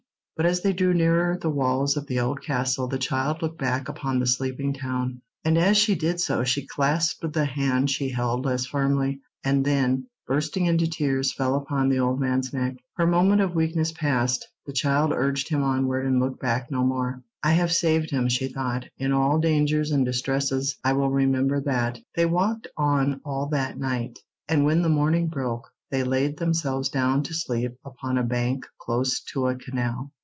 But as they drew nearer the walls of the old castle the child looked back upon the sleeping town, and as she did so she clasped the hand she held less firmly, and then, bursting into tears, fell upon the old man's neck. Her moment of weakness past, the child urged him onward and looked back no more. "I have saved him," she thought. "In all dangers and distresses I will remember that." They walked on all that night, and when the morning broke they laid themselves down to sleep upon a bank close to a canal.